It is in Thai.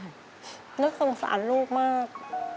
นึกสงสารลูกมาก